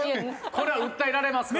これは訴えられます。